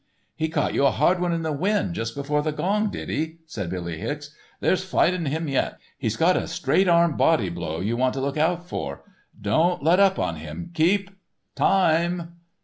"He caught you a hard one in the wind just before the gong, did he?" said Billy Hicks. "There's fight in him yet. He's got a straight arm body blow you want to look out for. Don't let up on him. Keep—" "_Time!